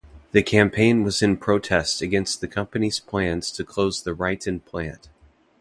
The campaign was in protest against the company's plans to close the Ryton plant.